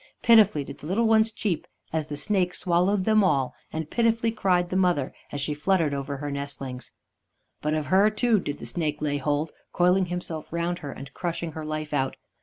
Pitifully did the little ones cheep as the snake swallowed them all, and pitifully cried the mother as she fluttered over her nestlings. But of her, too, did the snake lay hold, coiling himself round her and crushing her life out.